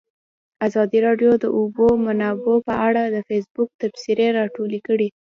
ازادي راډیو د د اوبو منابع په اړه د فیسبوک تبصرې راټولې کړي.